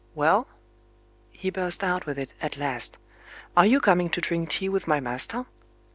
"Well?" He burst out with it, at last. "Are you coming to drink tea with my master?"